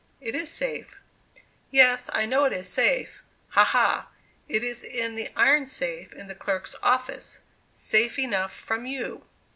"It is safe." "Yes, I know it is safe ha! ha! it is in the iron safe in the clerk's office safe enough from you!"